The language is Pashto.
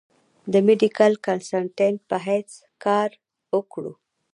د ميډيکل کنسلټنټ پۀ حېث کار اوکړو ۔